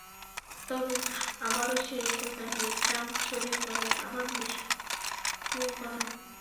তবে আবারও সেই একই কাহিনি—স্প্যাম ছড়িয়ে পড়ায় আবারও নিষ্ক্রিয় করা হয়।